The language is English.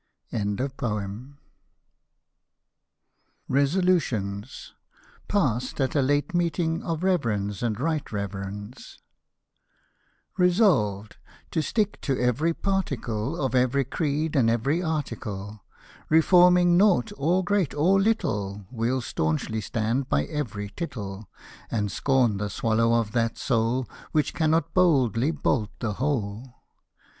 Hosted by Google 2i6 SATIRICAL AND HUMOROUS POEMS RESOLUTIONS PASSED AT A LATE MEETING OF REVERENDS AND RIGHT REVERENDS Resolved — to stick to every particle Of every Creed and every article ; Reforming nought, or great or little, We'll stanchly stand by every tittle, And scorn the swallow of that soul Which cannot boldly bolt the whole.